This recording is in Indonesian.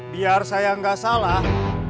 biar saya nggak salah